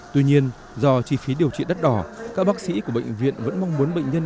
tuy nhiên do chi phí điều trị đắt đỏ các bác sĩ của bệnh viện vẫn mong muốn bệnh nhân